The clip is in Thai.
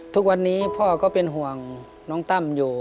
ทุกวันนี้พ่อก็เป็นห่วงน้องตั้มอยู่